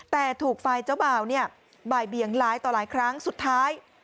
แต่ถูกฝ่ายเจ้าบ่าวเนี่ยบ่ายเบียงหลายต่อหลายครั้งสุดท้าย